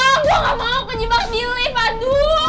tolong gua gak mau ke jum'at belief aduh